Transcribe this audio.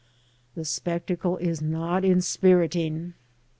The spectacle is not inspiriting.